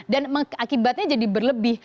dan akibatnya jadi berlebih